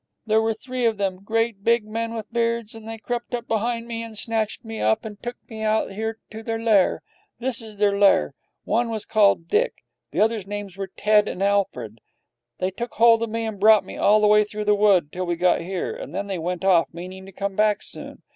There were three of them, great big men with beards, and they crept up behind me and snatched me up and took me out here to their lair. This is their lair. One was called Dick, the others' names were Ted and Alfred. They took hold of me and brought me all the way through the wood till we got here, and then they went off, meaning to come back soon.